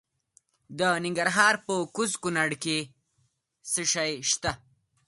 د ننګرهار په کوز کونړ کې څه شی شته؟